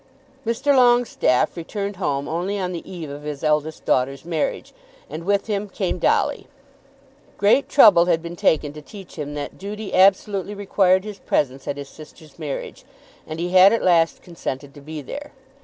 Mr. Longestaffe returned home only on the eve of his eldest daughter's marriage, and with him came Dolly. Great trouble had been taken to teach him that duty absolutely required his presence at his sister's marriage, and he had at last consented to be there.